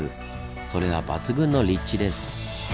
それは抜群の立地です。